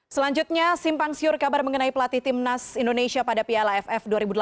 selanjutnya simpang syur kabar mengenai pelatih timnas indonesia pada plaff dua ribu delapan belas